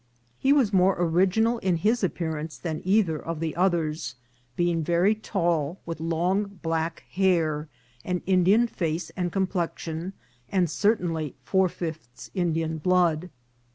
He Avas more original in his appearance than either of the others, being very tall, with long black hair, an Indian face and complexion, and certainly four fifths Indian blood.